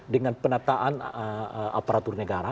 dengan penataan aparatur negara